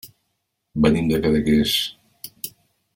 Venim de Cadaqués.